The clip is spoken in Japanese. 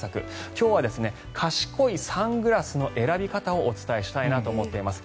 今日は賢いサングラスの選び方をお伝えしたいと思っています。